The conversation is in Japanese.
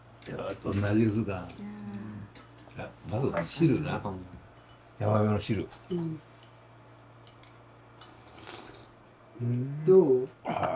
どう？